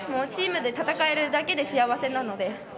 チームで戦えるだけで幸せなので。